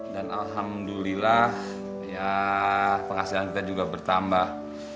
dan alhamdulillah ya penghasilan kita juga bertambah